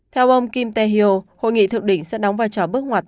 theo ông kim ta hyo hội nghị thượng đỉnh sẽ đóng vai trò bước ngoặt